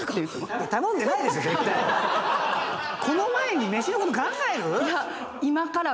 この前に飯のこと考える？